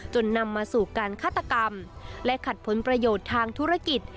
นำมาสู่การฆาตกรรมและขัดผลประโยชน์ทางธุรกิจ